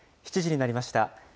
７時になりました。